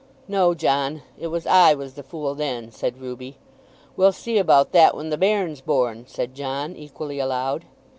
"No, John; it was I was the fool then," said Ruby. "We'll see about that when the bairn's born," said John, equally aloud.